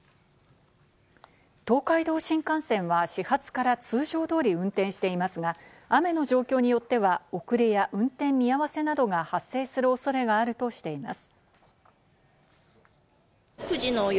東海道新幹線は始発から通常通り運転していますが、雨の状況によっては遅れや、運転見合わせなどが発生するおそれがあるとしています。